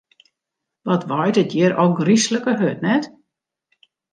Wat waait it hjir ôfgryslike hurd, net?